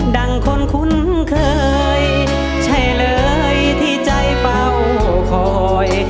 ดังคนคุ้นเคยใช่เลยที่ใจเป้าคอย